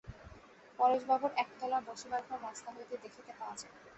পরেশবাবুর একতলার বসিবার ঘর রাস্তা হইতেই দেখিতে পাওয়া যায়।